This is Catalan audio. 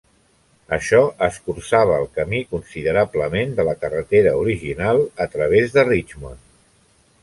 Això escurçava el camí considerablement de la carretera original a través de Richmond.